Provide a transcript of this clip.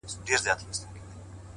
هغې ويل ه ځه درځه چي کلي ته ځو’